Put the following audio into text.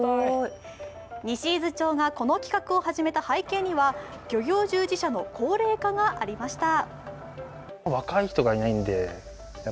西伊豆町がこの企画を始めた背景には漁業従事者の高齢化がありました。